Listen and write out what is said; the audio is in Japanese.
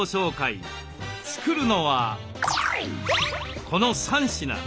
作るのはこの３品。